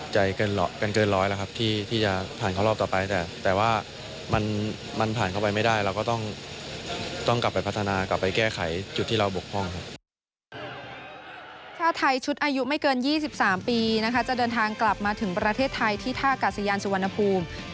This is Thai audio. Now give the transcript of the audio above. ถ้าไทยชุดอายุไม่เกิน๒๓ปีนะคะจะเดินทางกลับมาถึงประเทศไทยที่ท่ากาศยานสุวรรณภูมิ